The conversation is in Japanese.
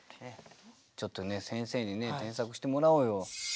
ちょっとね先生に添削してもらおうよ。